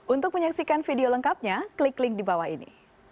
untuk menyaksikan video lengkapnya klik link di bawah ini